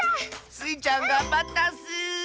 スイちゃんがんばったッス！